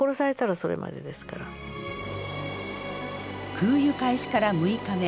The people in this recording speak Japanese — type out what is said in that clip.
空輸開始から６日目。